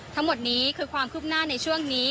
ทั้งหมดนี้คือความคืบหน้าในช่วงนี้